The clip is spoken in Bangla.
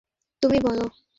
এডি, এবার তুমি বলো।